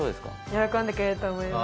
喜んでくれると思います。